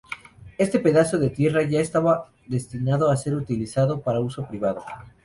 Este pedazo de tierra ya estaba destinado a ser utilizado para uso privado.